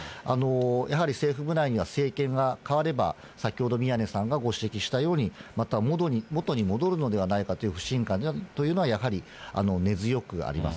やはり政府部内には、政権が代われば先ほど宮根さんがご指摘したように、また元に戻るのではないかという不信感というのは、やはり根強くあります。